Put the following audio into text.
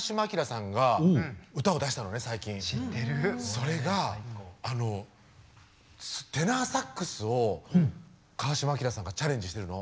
それがテナーサックスを川島明さんがチャレンジしてるの。